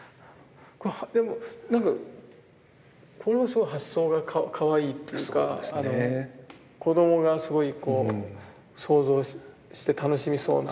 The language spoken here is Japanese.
でも何かこのすごい発想がかわいいっていうか子どもがすごいこう想像して楽しみそうな